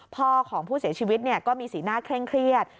พ่อของผู้เสียชีวิตก็มีสีหน้าเคร่งเครียด